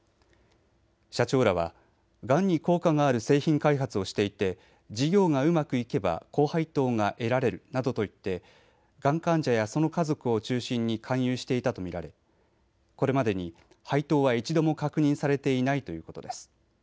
社長らはがんに効果がある製品開発をしていて事業がうまくいけば高配当が得られるなどと言ってがん患者やその家族を中心に勧誘していたと見られこれまでに配当は一度も確認されていないということです。